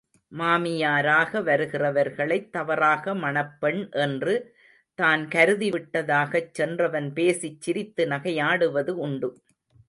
மாமியாராக வருகிறவர்களைத் தவறாக மணப்பெண் என்று தான் கருதிவிட்டதாகச் சென்றவன் பேசிச் சிரித்து நகையாடுவது உண்டு.